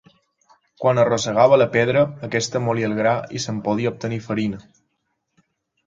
Quan arrossegava la pedra, aquesta molia el gra i se'n podia obtenir farina.